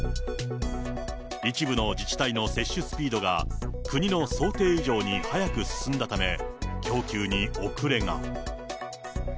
一部の自治体の接種スピードが、国の想定以上に速く進んだため、供給に遅れが。